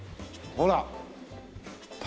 ほら。